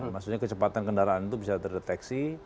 maksudnya kecepatan kendaraan itu bisa terdeteksi